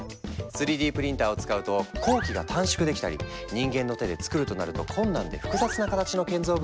３Ｄプリンターを使うと工期が短縮できたり人間の手でつくるとなると困難で複雑な形の建造物ができたりするんだ。